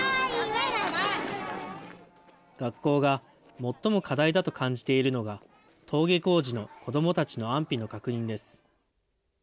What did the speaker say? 学校が最も課題だと感じているのが、登下校時の子どもたちの安否の確認です。